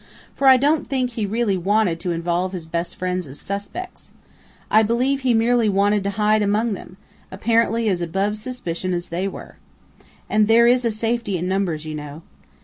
For I don't think he really wanted to involve his best friends as suspects. I believe he merely wanted to hide among them apparently as above suspicion as they were. And there is safety in numbers, you know....